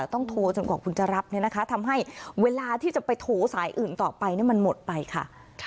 ต้องโทรจนกว่าคุณจะรับเนี่ยนะคะทำให้เวลาที่จะไปโถสายอื่นต่อไปมันหมดไปค่ะ